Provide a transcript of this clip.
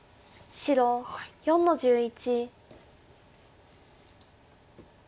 白４の十一。